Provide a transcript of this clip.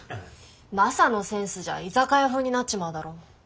マサのセンスじゃ居酒屋風になっちまうだろ。